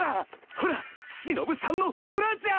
ほらしのぶさんのブラジャー！